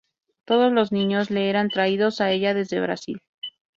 Todos los niños le eran traídos a ella desde Brasil.